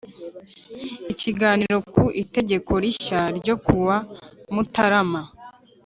Ikiganiro ku itegeko rishya ryo ku wa mutarama